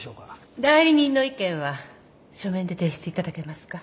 代理人の意見は書面で提出いただけますか？